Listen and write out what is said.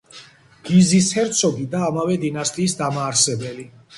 გიზის ჰერცოგი და ამავე დინასტიის დამაარსებელი.